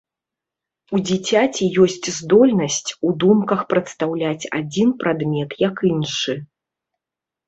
У дзіцяці ёсць здольнасць у думках прадстаўляць адзін прадмет як іншы.